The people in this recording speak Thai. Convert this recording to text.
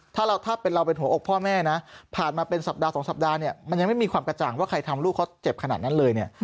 ถ้าเราถ้าเป็นเราเป็นหัวอกพ่อแม่นะผ่านมาเป็นสัปดาห์๒สัปดาห์เนี่ยมันยังไม่มีความกระจ่างว่าใครทำลูกเขาเจ็บขนาดนั้นเลยเนี่ย